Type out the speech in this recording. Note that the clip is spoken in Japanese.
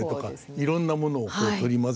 いろんなものをこう取り混ぜて。